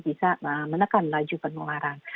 bisa menekan laju pengeluaran